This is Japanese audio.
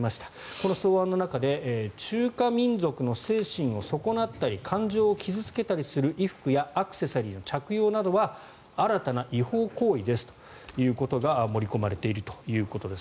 この草案の中で中華民族の精神を損なったり感情を傷付けたりする衣服やアクセサリーの着用などは新たな違法行為ですということが盛り込まれているということです。